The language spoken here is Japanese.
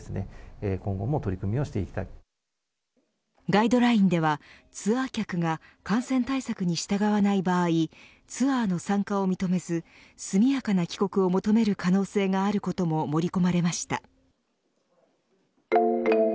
ガイドラインではツアー客が感染対策に従わない場合ツアーの参加を認めず速やかな帰国を求める可能性があることも盛り込まれました。